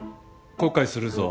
後悔するぞ。